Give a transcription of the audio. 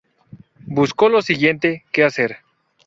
Busco lo siguiente que hacer.